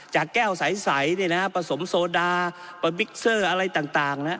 จากแก้วใสเนี่ยนะผสมโซดามิกเซอร์อะไรต่าง